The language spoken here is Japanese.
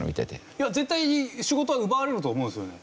いや絶対仕事は奪われると思うんですよね。